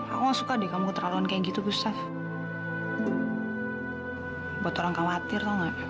aku suka dikutuk orang kayak gitu bisa buat orang khawatir